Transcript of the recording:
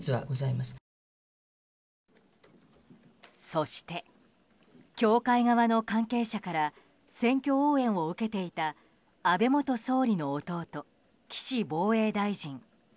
そして教会側の関係者から選挙応援を受けていた安倍元総理の弟・岸防衛大臣。